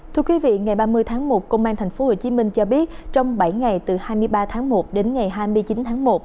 thưa quý vị ngày ba mươi tháng một công an tp hcm cho biết trong bảy ngày từ hai mươi ba tháng một đến ngày hai mươi chín tháng một